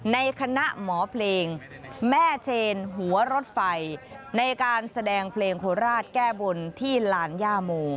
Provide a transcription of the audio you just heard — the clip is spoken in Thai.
ในคณะหมอเพลงแม่เชนหัวรถไฟในการแสดงเพลงโคราชแก้บนที่ลานย่าโม